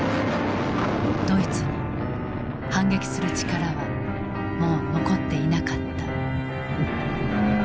ドイツに反撃する力はもう残っていなかった。